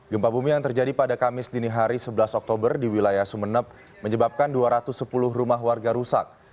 gempa bumi yang terjadi pada kamis dini hari sebelas oktober di wilayah sumeneb menyebabkan dua ratus sepuluh rumah warga rusak